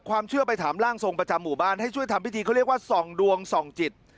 ความเชื่อไปถามร่างทรงประจำหมู่บ้านให้ช่วยทำพิธีเขาเรียกว่าส่องดวงส่องจิต